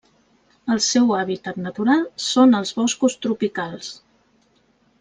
El seu hàbitat natural són els boscos tropicals.